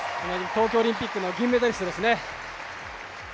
東京オリンピック銀メダリストですね。